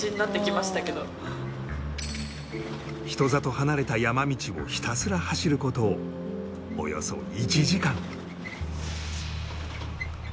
人里離れた山道をひたすら走る事およそ１時間。